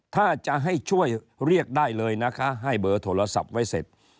ถ้าจะให้ช่วยเรียกได้เลยนะคะให้เบอร์โทรศัพท์ไว้เสร็จ